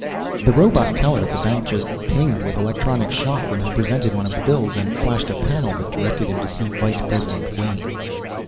The robot teller at the bank just pinged with electronic shock when he presented one of the bills and flashed a panel that directed him to see Vice President Wain.